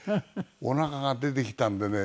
おなかが出てきたんでね